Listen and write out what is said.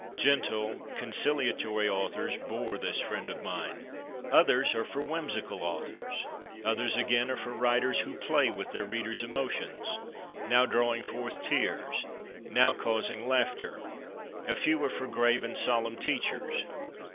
Gentle, conciliatory authors bore this friend of mine. Others are for whimsical authors ; others again are for writers who ' play ' with their readers' emotions, now drawing forth tears, now causing laughter. A few are for grave and solemn teachers.